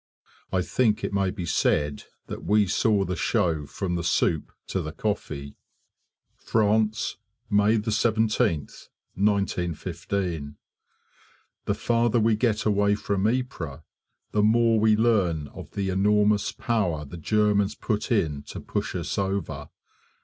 I think it may be said that we saw the show from the soup to the coffee. France, May 17th, 1915. The farther we get away from Ypres the more we learn of the enormous power the Germans put in to push us over.